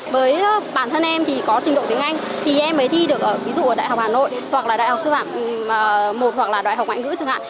với bản thân em thì có trình độ tiếng anh thì em mới thi được ở ví dụ ở đại học hà nội hoặc là đại học sư phạm một hoặc là đại học ngoại ngữ chẳng hạn